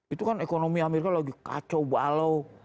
itu kan ekonomi amerika lagi kacau balau